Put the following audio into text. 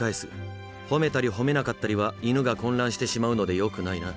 褒めたり褒めなかったりは犬が混乱してしまうのでよくないな。